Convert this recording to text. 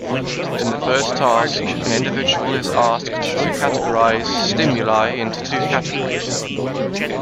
In the first task, an individual is asked to categorize stimuli into two categories.